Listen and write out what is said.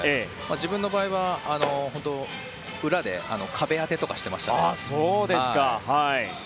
自分の場合は裏で壁当てとかをしていましたね。